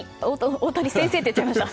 大谷先生って言ってしまいました。